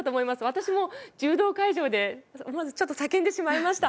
私も柔道会場で思わずちょっと叫んでしまいました。